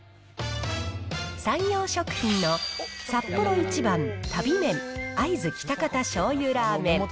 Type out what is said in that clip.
サンヨー食品のサッポロ一番旅麺会津・喜多方醤油ラーメン。